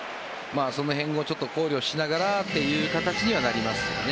その辺を考慮しながらという形にはなりますね。